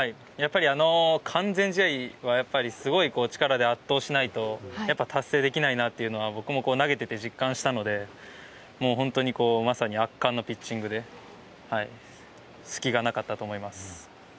あの完全試合はすごい力で圧倒しないと達成できないなというのが、僕も投げていて実感したので本当にまさに圧巻のピッチングで隙が無かったと思います。